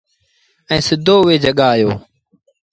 ائيٚݩ سڌو اُئي جآڳآ آيو۔